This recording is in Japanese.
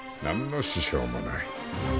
何の支障もない。